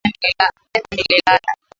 Jana nililala